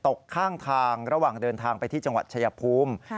ตกข้างทางระหว่างเดินทางไปที่จังหวัดชายภูมิ